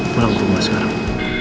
pulang ke rumah sekarang